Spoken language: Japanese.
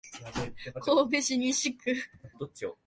神戸市西区